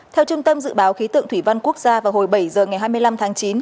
theo trung tâm dự báo khí tượng thủy văn quốc gia vào hồi bảy giờ ngày hai mươi năm tháng chín